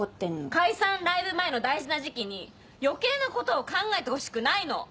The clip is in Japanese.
解散ライブ前の大事な時期に余計なことを考えてほしくないの。